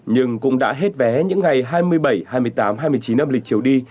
nhưng cũng đã hết vé những ngày hai mươi bảy hai mươi tám hai mươi chín âm lịch chiều đi